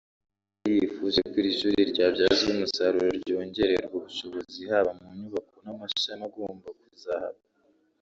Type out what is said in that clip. aho yari yifuje ko iri shuri ryabyazwa umusaruro ryongererwa ubushobozi haba mu nyubako n’amashami agomba kuzahaba